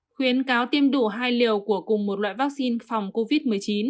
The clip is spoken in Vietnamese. khuyến cáo tiêm đủ hai liều của cùng một loại vaccine phòng covid một mươi chín